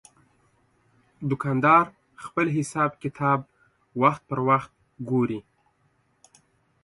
دوکاندار خپل حساب کتاب وخت پر وخت ګوري.